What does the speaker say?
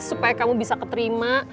supaya kamu bisa keterima